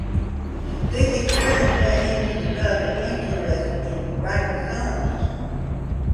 This experience led him to develop an interest in writing songs.